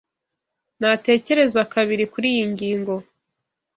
Natekereza kabiri kuriyi ngingo.